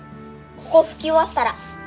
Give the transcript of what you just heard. ここ拭き終わったら。